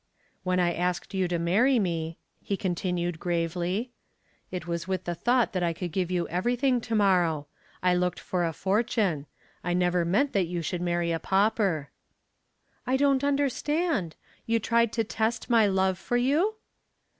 "When I asked you to marry me," he continued gravely, "it was with the thought that I could give you everything to morrow. I looked for a fortune. I never meant that you should marry a pauper." "I don't understand. You tried to test my love for you?"